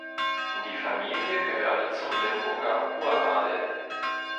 Die Familie gehörte zum Limburger Uradel.